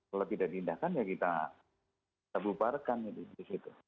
kalau tidak diindahkan ya kita bubarkan di situ